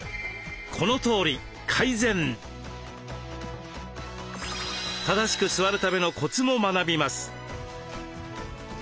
このとおり改善。正しく座るためのコツも学びます。